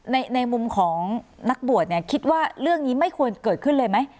ในมุมของนักบวชเนี่ยคิดว่าเรื่องนี้ไม่ควรเกิดขึ้นเลยไหม